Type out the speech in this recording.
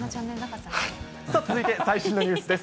さあ、続いて最新のニュースです。